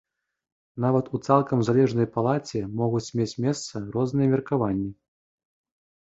Нават у цалкам залежнай палаце могуць мець месца розныя меркаванні.